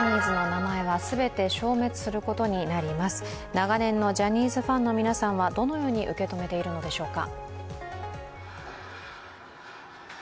長年のジャニーズファンの皆さんはどのように受け止めているのでしょうか。